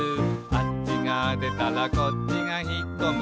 「あっちがでたらこっちがひっこむ」